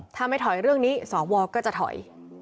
ถ้าไม่ถอยเรื่องนี้สวก็จะถอย